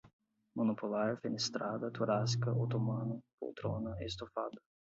monopolar, fenestrada, torácica, otomano, poltrona, estofada